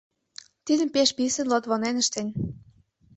Тидым пеш писын Лотвонен ыштен.